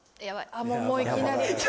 あっもういきなり。